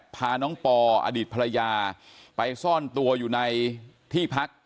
พาน้องปออดีตภรรยาไปซ่อนตัวอยู่ในที่พัก